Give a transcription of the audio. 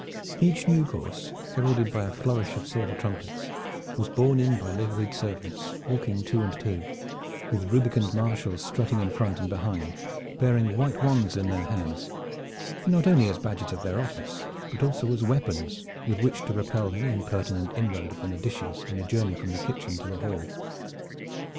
Each new course, heralded by a flourish of silver trumpets, was borne in by liveried servants walking two and two, with rubicund marshals strutting in front and behind, bearing white wands in their hands, not only as badges of their office, but also as weapons with which to repel any impertinent inroad upon the dishes in the journey from the kitchen to the hall.